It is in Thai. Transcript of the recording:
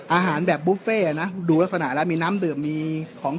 อาหารแบบบุฟเฟ่นะดูลักษณะแล้วมีน้ำดื่มมีของ